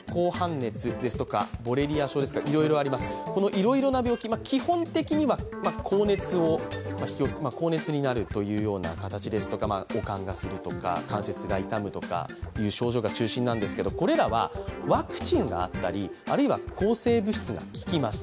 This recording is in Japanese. いろいろな病気、基本的には高熱になるという形ですとか悪寒がするとか、関節が痛むとかいう症状が中心なんですけどこれらはワクチンがあったり、あるいは抗生物質が効きます。